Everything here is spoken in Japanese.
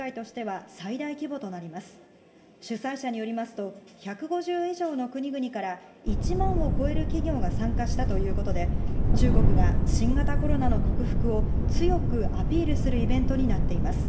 主催者によりますと、１５０以上の国々から１万を超える企業が参加したということで、中国が新型コロナの克服を強くアピールするイベントになっています。